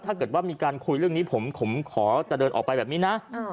ถ้าเกิดว่ามีการคุยเรื่องนี้ผมขอจะเดินออกไปแบบนี้นะ